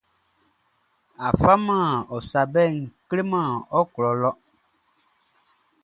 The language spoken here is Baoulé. A faman ɔ sa bɛʼn kleman ɔ klɔʼn le.